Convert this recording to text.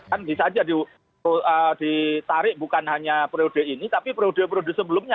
kan bisa saja ditarik bukan hanya periode ini tapi periode periode sebelumnya